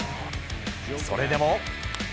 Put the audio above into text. それでも。